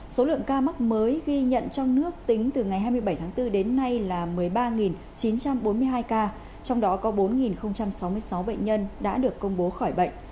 số lượng ca mắc mới ghi nhận trong nước tính từ ngày hai mươi bảy tháng bốn đến nay là một mươi ba chín trăm bốn mươi hai ca trong đó có bốn sáu mươi sáu bệnh nhân đã được công bố khỏi bệnh